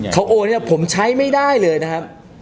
เขาโหวนนี่แล้วผมใช้ไม่ได้เลยนะครับ